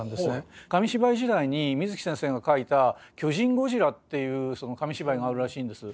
紙芝居時代に水木先生が描いた「巨人ゴジラ」っていう紙芝居があるらしいんです。